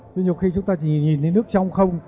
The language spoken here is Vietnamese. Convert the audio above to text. nhưng mà khi chúng ta chỉ nhìn thấy nước trong không